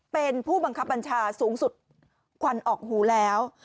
เป็นผู้บังคับบัญชาสูงสุดควันออกหูแล้ว